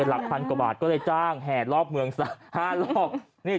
ลับพันกว่าบาทก็ได้จ้างแห่นรอบเมืองเลย